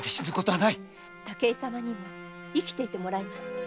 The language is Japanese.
武井様にも生きていてもらいます。